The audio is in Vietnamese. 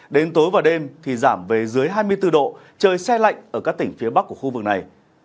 đến tối và đêm thì giảm về dưới hai mươi bốn độ trời xe lạnh ở các tỉnh phía bắc của khu vực này